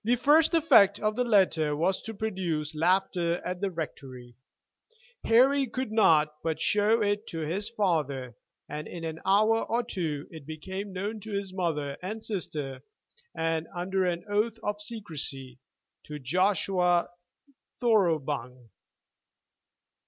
The first effect of the letter was to produce laughter at the rectory. Harry could not but show it to his father, and in an hour or two it became known to his mother and sister, and, under an oath of secrecy, to Joshua Thoroughbung.